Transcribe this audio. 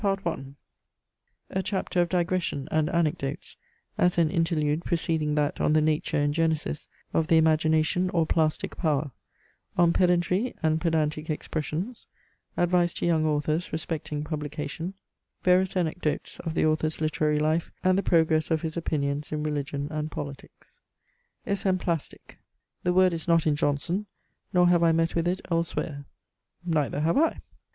CHAPTER X A chapter of digression and anecdotes, as an interlude preceding that on the nature and genesis of the Imagination or Plastic Power On pedantry and pedantic expressions Advice to young authors respecting publication Various anecdotes of the Author's literary life, and the progress of his opinions in Religion and Politics. "Esemplastic. The word is not in Johnson, nor have I met with it elsewhere." Neither have, I.